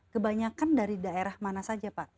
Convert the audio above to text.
kebanyakan dari daerah mana saja pak